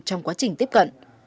trong quá trình tiếp cận